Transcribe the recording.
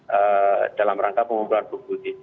ya dalam rangka pengumpulan buku bukti